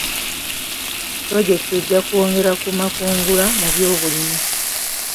Pulojekiti ejja kwongera ku makungula mu byobulimi.